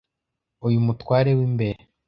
uyu mutware w'imbere